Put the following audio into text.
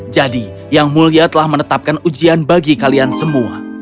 jadi yang mulia telah menetapkan ujian bagi kalian semua